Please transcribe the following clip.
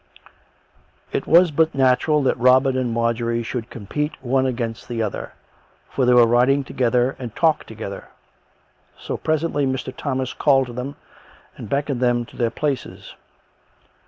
It was but natural that Robin and Marjorie should com pete one against the other, for they were riding together and talked together. So presently Mr. Thomas called to them, and beckoned them to their places.